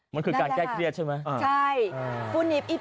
มันคือการแก้เครียดใช่ไหม